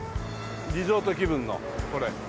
リゾート気分のこれ。